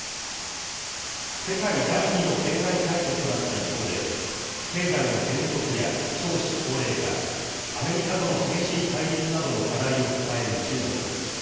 世界第２の経済大国となった一方で、経済の減速や少子高齢化、アメリカとの激しい対立などの課題を抱える中国。